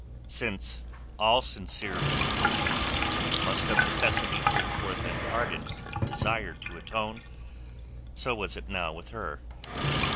Since all sincere contrition must of necessity bring forth an ardent desire to atone, so was it now with her.